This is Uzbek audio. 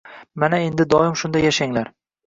Mana endi doim shunday yashanglar